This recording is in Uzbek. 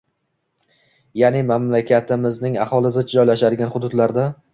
ya’ni mamlakatimizning aholi zich joylashgan hududlarda